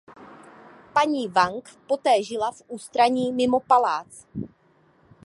Paní Wang poté žila v ústraní mimo palác.